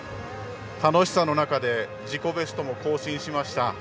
楽しさの中で自己ベストも更新しました。